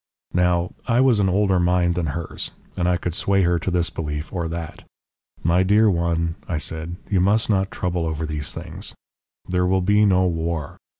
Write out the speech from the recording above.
"Now, I was an older mind than hers, and I could sway her to this belief or that. "'My dear one,' I said, 'you must not trouble over these things. There will be no war.